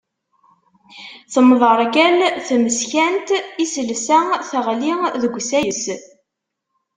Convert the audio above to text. Temḍerkal tmeskant iselsa, teɣli deg usayes.